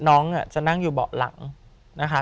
น้องจะนั่งอยู่เบาะหลังนะคะ